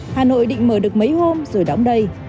hà nội định mở được mấy hôm rồi đóng đây